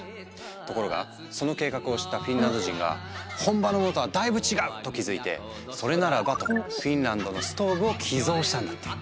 ところがその計画を知ったフィンランド人が「本場のものとはだいぶ違う」と気付いてそれならばとフィンランドのストーブを寄贈したんだって。